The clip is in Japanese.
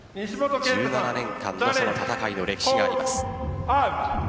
１７年間の戦いの歴史があります。